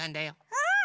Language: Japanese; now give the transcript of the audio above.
うん！